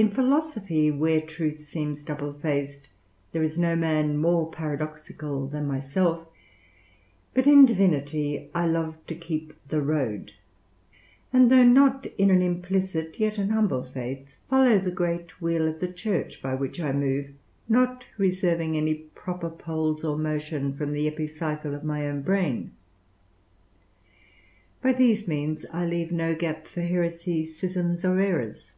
In philosophy, where truth seems double faced, there is no man more paradoxical than myself: but in divinity I love to keep the road; and though not in an implicit, yet an humble faith, follow the great wheel of the Church, by which I move, not reserving any proper poles or motion from the epicycle of my own brain: by these means I leave no gap for heresy, schisms, or errors.